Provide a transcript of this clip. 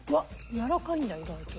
やわらかいんだ意外と。